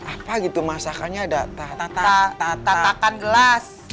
apa gitu masakannya ada tatakan gelas